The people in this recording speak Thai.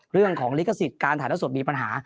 เรื่องของลิขสิทธิ์การถ่ายละสดมีปัญหา